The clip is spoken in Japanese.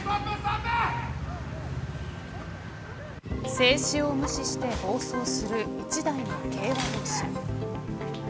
制止を無視して暴走する１台の軽ワゴン車。